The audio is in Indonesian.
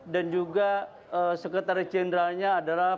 dan juga sekretaris jenderalnya adalah